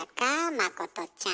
まことちゃん。